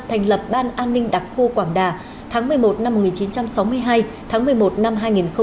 thành lập ban an ninh đặc khu quảng đà tháng một mươi một năm một nghìn chín trăm sáu mươi hai tháng một mươi một năm hai nghìn một mươi bảy